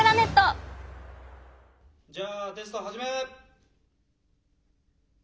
・じゃあテスト始め。